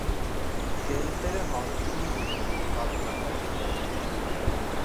Գետերը հարուստ են ձուկերով (կարմրախայտ եւ այլն)։